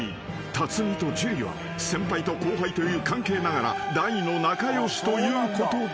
［辰巳と樹は先輩と後輩という関係ながら大の仲良しということだが］